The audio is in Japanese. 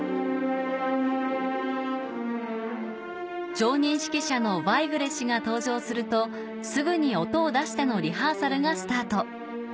常任指揮者のヴァイグレ氏が登場するとすぐに音を出してのリハーサルがスタート